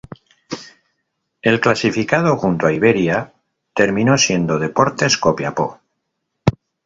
El clasificado, junto a Iberia, terminó siendo Deportes Copiapó.